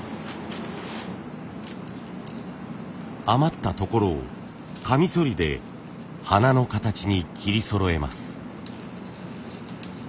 余ったところをカミソリで花の形に切りそろえます。